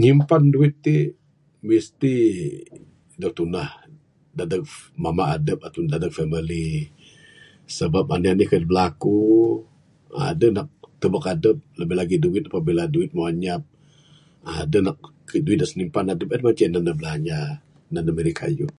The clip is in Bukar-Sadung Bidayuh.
Nyimpan duit ti mesti tunah mamba adep ataupun dadeg family sebab anih anih kayuh berlaku adeh nak tubek adep labih labih lagi duit meh anyap uhh adeh nak duit simpan adep en mah nan ne blanya nan ne mirih kayuh.